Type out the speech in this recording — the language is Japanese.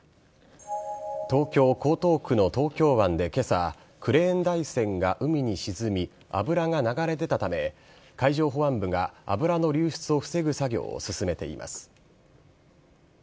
東京・江東区の東京湾でけさ、クレーン台船が海に沈み、油が流れ出たため、海上保安部が、油の流出を防ぐ作業を進めています。